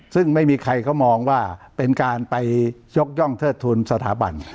ซึ่งไม่มีใครเขามองว่าเป็นการไปยกย่องเทิดทุนสถาบัน